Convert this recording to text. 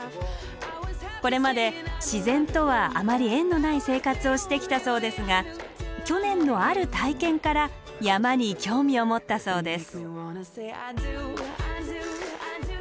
これまで自然とはあまり縁のない生活をしてきたそうですが去年のある体験から山に興味を持ったそうです。